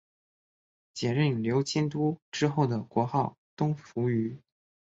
解夫娄迁都之后国号东扶余。